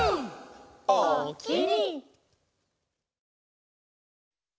「おおきに」